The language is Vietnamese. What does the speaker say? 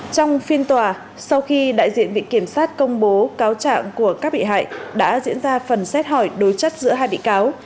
trong phiên tòa sau khi đại diện vị kiểm sát công bố cáo trạng của các bị hại đã diễn ra phần xét hỏi đối chất giữa hai bị cáo